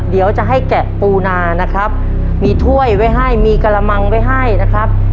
เดี๋ยวจะให้แกะปูนานะครับมีถ้วยไว้ให้มีกระมังไว้ให้นะครับ